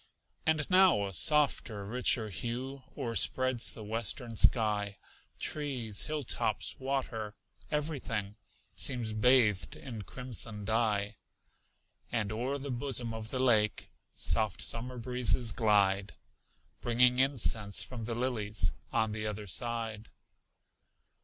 And now a softer, richer hue O'erspreads the western sky; Trees, hilltops, water everything Seems bathed in crimson dye. And o'er the bosom of the lake Soft summer breezes glide, Bringing incense from the lilies On the other side.